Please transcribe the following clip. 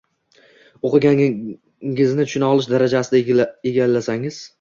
o’qiganingizni tushuna olish darajasida egallasangiz